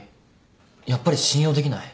やっぱり信用できない。